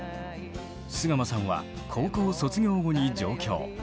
洲鎌さんは高校卒業後に上京。